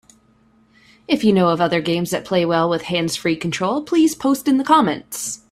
If you know of other games that play well with hands-free control, please post in the comments.